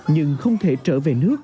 nhưng không thể trở về nước